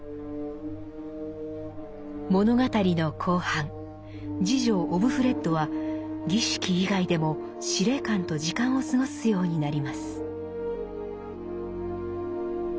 物語の後半侍女オブフレッドは「儀式」以外でも司令官と時間を過ごすようになります。